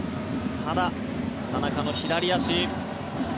ただ、田中の左足。